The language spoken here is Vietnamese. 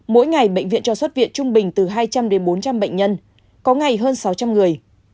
mỗi ngày bệnh viện cho xuất viện trung bình từ hai trăm linh đến bốn trăm linh bệnh nhân có ngày hơn sáu trăm linh người